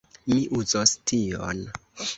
Mi uzos tion.